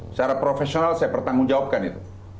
secara profesional saya bertanggung jawabkan itu